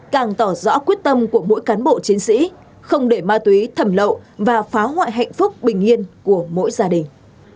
càng tỏ rõ quyết tâm của mỗi cán bộ chiến sĩ không để ma túy thẩm lậu và phá hoại hạnh phúc bình yên của mỗi gia đình